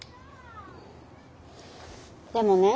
でもね